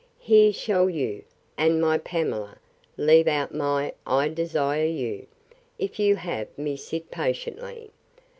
Here shall you, and my Pamela—Leave out my, I desire you, if you'd have me sit patiently.